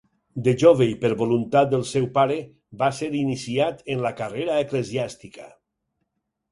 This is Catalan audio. De jove i per voluntat del seu pare, va ser iniciat en la carrera eclesiàstica.